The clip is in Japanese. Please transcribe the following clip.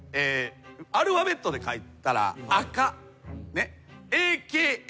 アルファベットで書いたらＡＫＡ。